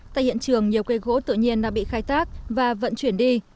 tại hiện trường nhiều cây gỗ tự nhiên đã bị khai tác và vận chuyển đi